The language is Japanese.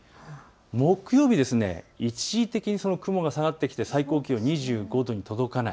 木曜日、一時的にその雲が下がってきて最高気温は２５度に届かない。